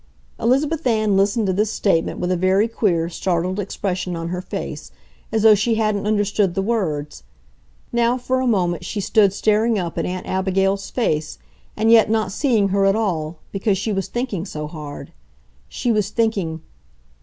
Elizabeth Ann listened to this statement with a very queer, startled expression on her face, as though she hadn't understood the words. Now for a moment she stood staring up in Aunt Abigail's face, and yet not seeing her at all, because she was thinking so hard. She was thinking!